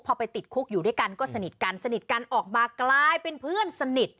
พอไปติดคุกอยู่ด้วยกันก็สนิทกันสนิทกันออกมากลายเป็นเพื่อนสนิท